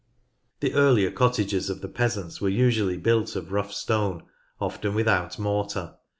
The earlier cottages of the peasants were usually built of rough stone, often without mortar.